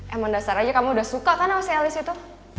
emang dasar aja kamu udah suka kan sama sayalis itu